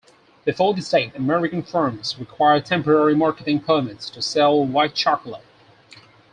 Before this date, American firms required temporary marketing permits to sell white chocolate.